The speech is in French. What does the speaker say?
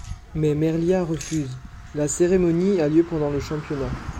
Mais Merliah refuse, la cérémonie a lieu pendant le championnat.